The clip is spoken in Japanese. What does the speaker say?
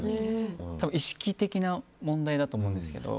多分、意識的な問題だと思うんですけど。